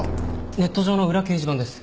ネット上の裏掲示板です。